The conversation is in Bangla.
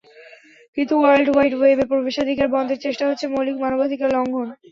কিন্তু ওয়ার্ল্ড ওয়াইড ওয়েবে প্রবেশাধিকার বন্ধের চেষ্টা হচ্ছে মৌলিক মানবাধিকার লঙ্ঘন।